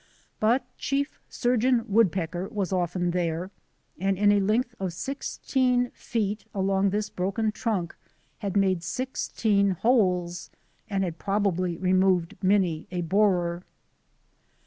But Chief Surgeon Woodpecker was often there, and in a length of sixteen feet along this broken trunk had made sixteen holes and had probably removed many a borer.